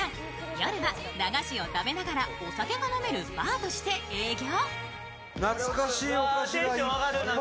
夜は駄菓子を食べながらお酒が飲めるバーとして営業。